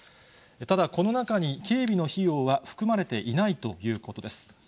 ただ、この中に警備の費用は含まれていないということです。